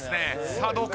さあどうか？